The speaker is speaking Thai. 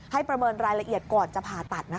ประเมินรายละเอียดก่อนจะผ่าตัดนะคะ